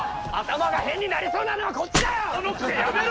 頭が変になりそうなのはこっちだよ！